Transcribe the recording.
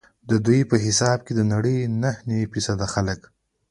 ددوی په حساب د نړۍ نهه نوي فیصده خلک.